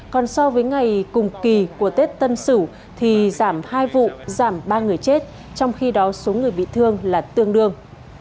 còn so với ngày cùng kỳ của tết tân sửu thì giảm hai vụ giảm ba người chết trong khi đó số người bị thương là tương đương